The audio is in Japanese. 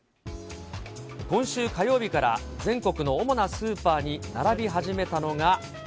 今週火曜日から、全国の主なスーパーに並び始めたのが。